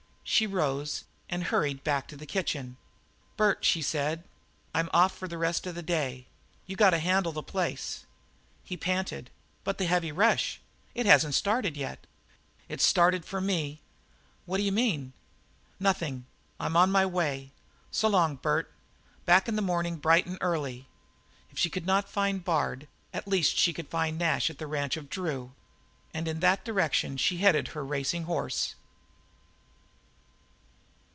So she rose and hurried back to the kitchen. "Bert," she said, "I'm off for the rest of the day. You got to handle the place." He panted: "But the heavy rush it ain't started yet." "It's started for me." "What d'you mean?" "Nothin'. I'm on my way. S'long, Bert. Back in the mornin' bright and early." If she could not find Bard at least she could find Nash at the ranch of Drew, and in that direction she headed her racing horse.